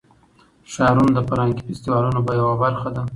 ښارونه د فرهنګي فستیوالونو یوه برخه ده.